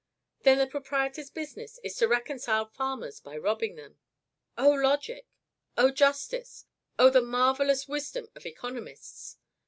Then the proprietor's business is to reconcile farmers by robbing them. O logic! O justice! O the marvellous wisdom of economists!